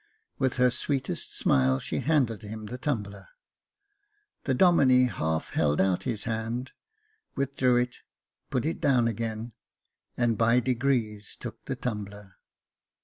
With her sweetest smile, she handed him the tumbler; the Domine half held out his hand, withdrew it, put it down again, and by degrees took the tumbler.